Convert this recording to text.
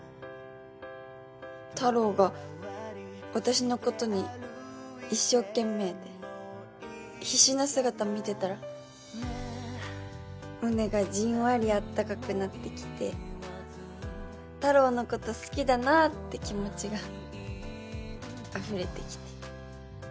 たろーが私のことに一生懸命で必死な姿見てたら胸がじんわり温かくなってきてたろーのこと好きだなぁって気持ちがあふれてきて。